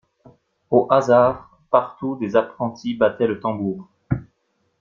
Au hasard, partout, des apprentis battaient le tambour.